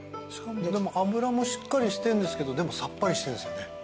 脂もしっかりしてるんですけどでもさっぱりしてるんですよね。